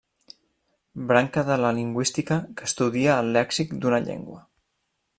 Branca de la lingüística que estudia el lèxic d'una llengua.